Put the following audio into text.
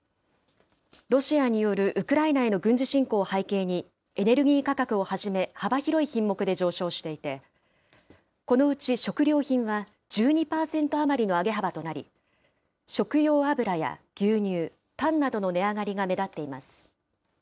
ロシアによるウクライナへの軍事侵攻を背景に、エネルギー価格をはじめ、幅広い品目で上昇していて、このうち食料品は１２％余りの上げ幅となり、食用油や牛乳、パンなどの値上がりが目立っています。